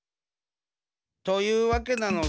というわけなのさ。